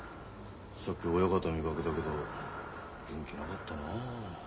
さっき親方見かけたけど元気なかったなあ。